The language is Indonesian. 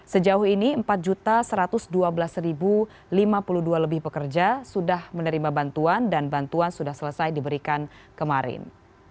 sejauh ini empat satu ratus dua belas lima puluh dua lebih pekerja sudah menerima bantuan dan bantuan sudah selesai diberikan kemarin